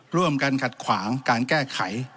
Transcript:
ร่วมกันขัดขวางการแก้ไข